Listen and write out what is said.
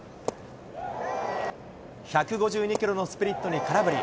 １５２キロのスプリットに空振り。